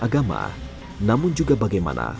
agama namun juga bagaimana